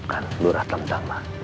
maafkan lurah tantama